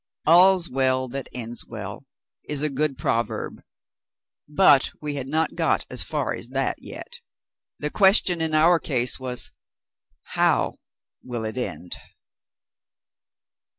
"All's well that ends well" is a good proverb. But we had not got as far as that yet. The question in our case was, How will it end?